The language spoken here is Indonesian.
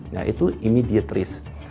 nah itu immediate risk